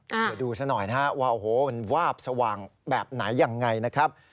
เดี๋ยวดูซะหน่อยนะฮะว่าโอ้โหมันวาบสว่างแบบไหนยังไงนะครับ